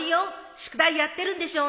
宿題やってるんでしょうね。